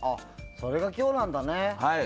それが今日なんだね。